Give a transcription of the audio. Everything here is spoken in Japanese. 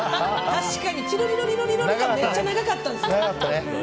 確かにピロリロリロがめっちゃ長かったんですよ。